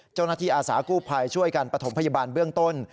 เจ้าหน้าที่อาสาทูวินให้ช่วยกันปฐมพยาบาลเบื้องต้น